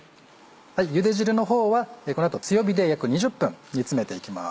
ゆで汁の方はこの後強火で約２０分煮詰めていきます。